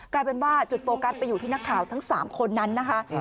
กลายเป็นว่าจุดโฟกัสไปอยู่ที่นักข่าวทั้ง๓คนนั้นนะคะ